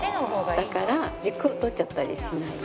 だから軸を取っちゃったりしない。